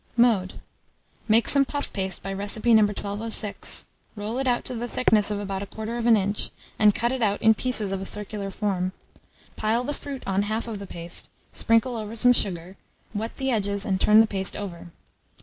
Mode. Make some puff paste by recipe No. 1206; roll it out to the thickness of about 1/4 inch, and cut it out in pieces of a circular form; pile the fruit on half of the paste, sprinkle over some sugar, wet the edges and turn the paste over.